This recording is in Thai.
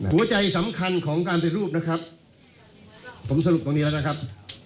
หัวใจสำคัญของการเป็นรูปนะครับผมสรุปตรงนี้แล้วนะครับ